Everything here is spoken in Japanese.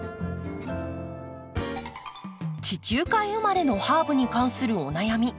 地中海生まれのハーブに関するお悩み